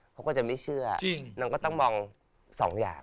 เขาก็จะไม่เชื่อนางก็ต้องมองสองอย่าง